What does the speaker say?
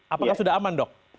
apakah sudah aman